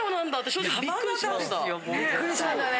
びっくりしたんだね